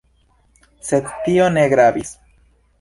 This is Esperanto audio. Sed tio ne gravis.